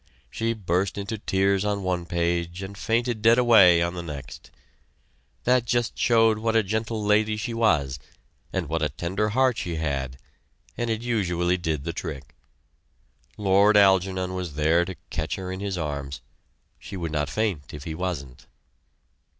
She burst into tears on one page and fainted dead away on the next. That just showed what a gentle lady she was, and what a tender heart she had, and it usually did the trick. Lord Algernon was there to catch her in his arms. She would not faint if he wasn't.